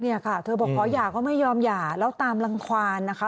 เนี่ยค่ะเธอบอกขอหย่าก็ไม่ยอมหย่าแล้วตามรังความนะคะ